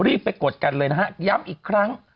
รีบไปกดกันเลยนะฮะย้ำอีกครั้ง